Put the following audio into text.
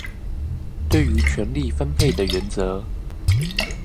對於權力分配的原則